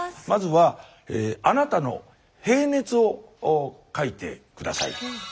まずはあなたの平熱を書いて下さい。